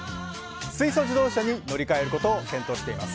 水素自動車に乗り換えることを検討しています